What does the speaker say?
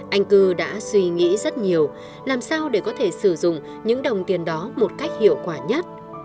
anh cư đã suy nghĩ rất nhiều làm sao để có thể sử dụng những đồng tiền đó một cách hiệu quả nhất